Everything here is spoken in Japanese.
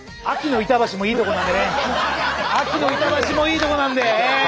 秋の板橋もいいとこなんでね。